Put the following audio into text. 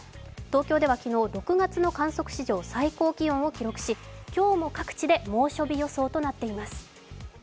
東京では６月の観測史上最高気温を記録し、今日も各地で猛暑日予想となっています。